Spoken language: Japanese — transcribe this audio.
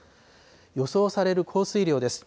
予想される降水量です。